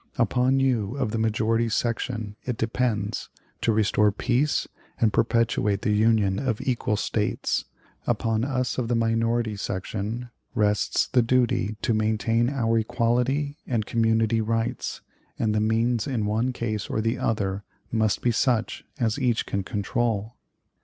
Upon you of the majority section it depends to restore peace and perpetuate the Union of equal States; upon us of the minority section rests the duty to maintain our equality and community rights; and the means in one case or the other must be such as each can control."